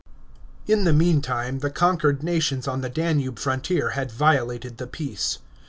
§ 17. In the meantime the conquered nations on the Danube frontier had violated the peace.